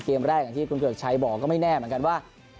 เกมแรกที่คุณเกิร์กชัยบอกก็ไม่แน่เหมือนกันว่า